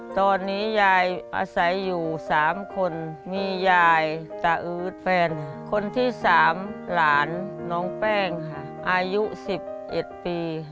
ตอนนี้ยายอาศัยอยู่๓คนมียายตาอืดแฟนคนที่๓หลานน้องแป้งค่ะอายุ๑๑ปี